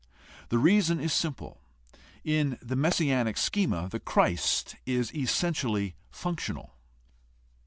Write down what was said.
The reason is simple: in the messianic schema the Christ is essentially functional.